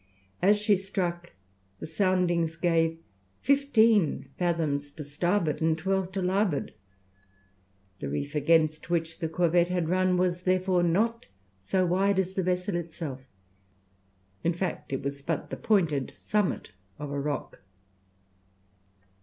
As she struck, the soundings gave fifteen fathoms to starboard, and twelve to larboard. The reef against which the corvette had run, was, therefore, not so wide as the vessel itself; in fact, it was but the pointed summit of a rock.